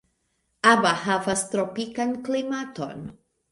Aba havas tropikan klimaton.